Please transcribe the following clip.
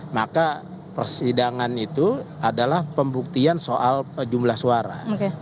maka persidangan itu adalah pembuktian soal jumlah suara